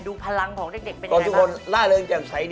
ดูพลังของเด็กเป็นยังไง